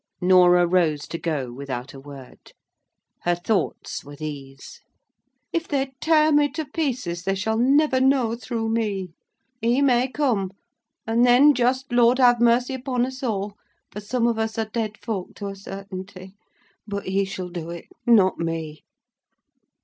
Norah rose to go without a word. Her thoughts were these: "If they tear me to pieces they shall never know through me. He may come,—and then just Lord have mercy upon us all: for some of us are dead folk to a certainty. But he shall do it; not me."